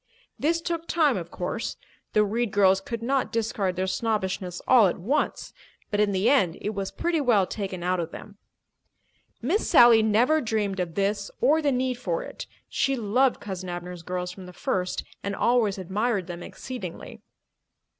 This took time, of course. The Reed girls could not discard their snobbishness all at once. But in the end it was pretty well taken out of them. Miss Sally never dreamed of this or the need for it. She loved Cousin Abner's girls from the first and always admired them exceedingly.